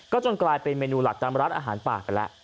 จนกลายเป็นเมนูหลักตามร้านอาหารป่าไปแล้ว